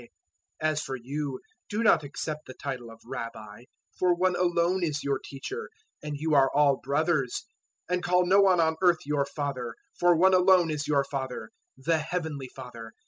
023:008 "As for you, do not accept the title of `Rabbi,' for one alone is your Teacher, and you are all brothers. 023:009 And call no one on earth your Father, for One alone is your Father the Heavenly Father.